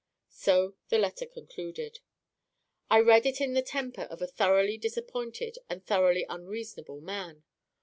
So the letter concluded. I read it in the temper of a thoroughly disappointed and thoroughly unreasonable man.